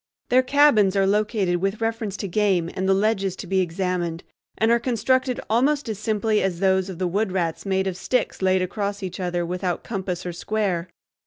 Their cabins are located with reference to game and the ledges to be examined, and are constructed almost as simply as those of the wood rats made of sticks laid across each other without compass or square.